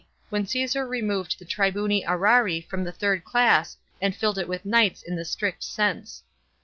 when Caesar removed the tribuni serarii from the third class and filled it with knights in the strict sense.